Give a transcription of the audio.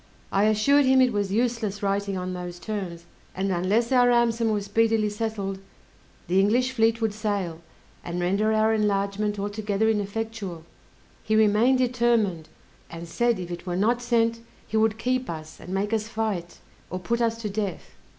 I assured him it was useless writing on those terms, and unless our ransom was speedily settled, the English fleet would sail, and render our enlargement altogether ineffectual. He remained determined, and said if it were not sent, he would keep us, and make us fight, or put us to death.